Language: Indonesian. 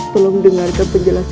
tolong dengarkan penjelasannya